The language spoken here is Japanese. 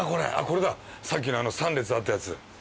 これださっきの３列あったやつ。